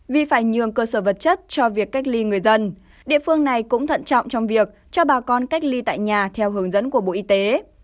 vì phải nhường cơ sở vật chất cho việc cách ly người dân địa phương này cũng thận trọng trong việc cho bà con cách ly tại nhà theo hướng dẫn của bộ y tế